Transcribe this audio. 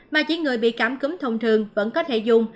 mà chỉ người bị cảm cúm thông thường vẫn có thể dùng